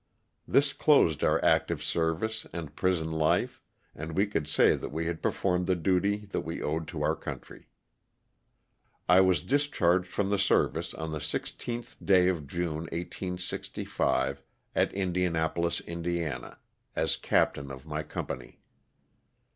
This closed our active service and prison life and we could say that we had performed the duty that we owed to our country. I was discharged from the service on the 16th day of June, 1865, at Indianapolis, Ind., as captain of my company.